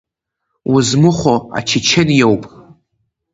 Узмыхәо ачечен иоуп.